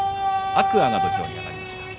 天空海が土俵に上がりました。